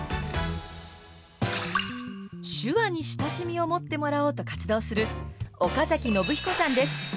手話に親しみを持ってもらおうと活動する岡崎伸彦さんです。